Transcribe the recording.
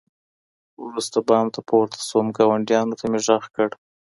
وروسته بام ته پورته سوم، ګاونډيانو ته مي ږغ کړ